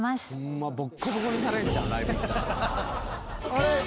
あれ？